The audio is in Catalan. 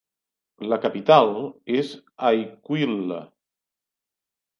La capital és Aiquile.